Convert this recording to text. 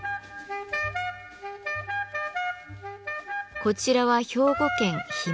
こちらは兵庫県姫路市。